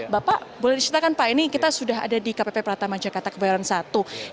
bapak boleh diceritakan pak ini kita sudah ada di kpp pratama jakarta kebayoran satu